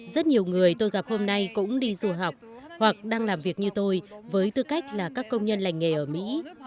rất nhiều người tôi gặp hôm nay cũng đi du học hoặc đang làm việc như tôi với tư cách là các công nhân lành nghề ở mỹ